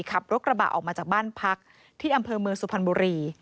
ขับรถกระบะออกมาจากบ้านพักที่อำเภอเมืองสุพรรณบุรี